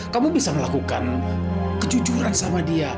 kamu bisa melakukan kejujuran sama dia